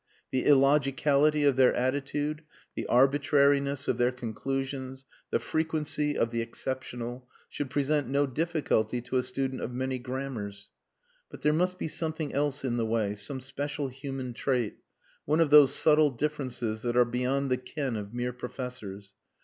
The illogicality of their attitude, the arbitrariness of their conclusions, the frequency of the exceptional, should present no difficulty to a student of many grammars; but there must be something else in the way, some special human trait one of those subtle differences that are beyond the ken of mere professors.